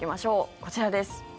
こちらです。